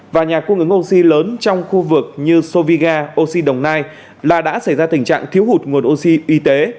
và nhà cung ứng oxy lớn trong khu vực như soviga oxy đồng nai là đã xảy ra tình trạng thiếu hụt nguồn oxy y tế